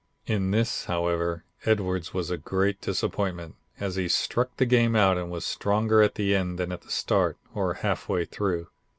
In this, however, Edwards was a great disappointment, as he stuck the game out and was stronger at the end, than at the start or half way through.